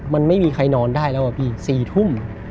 มันไม่มีใครนอนได้แล้วอะพี่๔ทุ่ม